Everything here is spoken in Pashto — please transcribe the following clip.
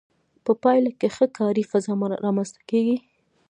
په پایله کې ښه کاري فضا رامنځته کیږي.